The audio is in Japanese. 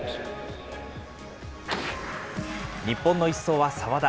日本の１走は澤田。